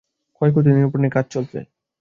ক্ষয়ক্ষতি নিরূপণের কাজ চলছে।